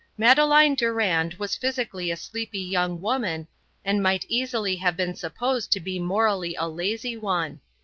Madeleine Durand was physically a sleepy young woman, and might easily have been supposed to be morally a lazy one.